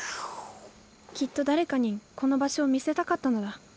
きっと誰かにこの場所を見せたかったのだ。